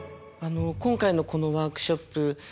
今回のこのワークショップ